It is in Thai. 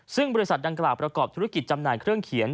ซึ่งบริษัทดังกล่าวประกอบธุรกิจจำหน่ายเครื่องเขียน